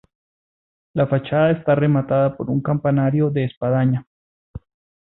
La fachada está rematada por un campanario de espadaña.